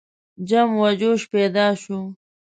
جم و جوش پیدا شو.